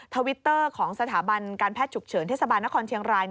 ทวิตเตอร์ของสถาบันการแพทย์ฉุกเฉินเทศบาลนครเชียงราย